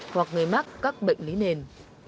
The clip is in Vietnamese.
hoặc người mắc các bệnh lý nền